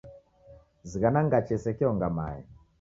Zighana ngache isekeonga mae.